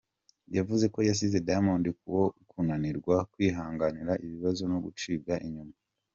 Yavuze ko yasize Diamond ku bwo kunanirwa kwihanganira ibibazo no gucibwa inyuma.